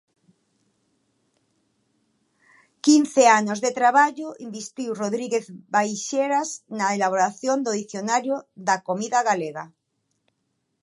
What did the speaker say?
Quince anos de traballo investiu Rodríguez Baixeras na elaboración do Dicionario da Comida Galega.